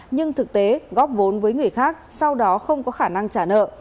nhưng thực tế góp vốn với người khác sau đó không có khả năng trả nợ